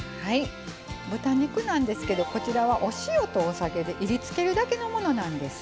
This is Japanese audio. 豚肉なんですけどお塩とお酒でいりつけるだけのものなんです。